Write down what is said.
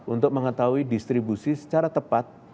untuk mengetahui distribusi secara tepat